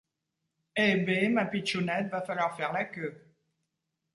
Eh b'e ma pitchounette va falloir faire la queue.